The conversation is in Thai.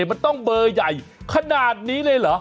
มันต้องเบอร์ใหญ่ขนาดนี้เลยเหรอ